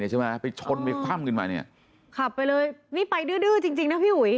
ขับไปเลยนี่ไปดื้อจริงนะพี่หุย